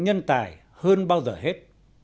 nhân tài hơn bao giờ hết